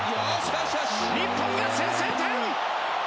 日本が先制点！